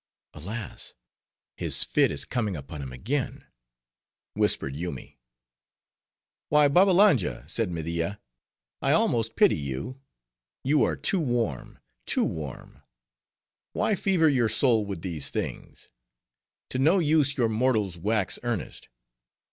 "Alas! his fit is coming upon him again," whispered Yoomy. "Why, Babbalanja," said Media, "I almost pity you. You are too warm, too warm. Why fever your soul with these things? To no use you mortals wax earnest.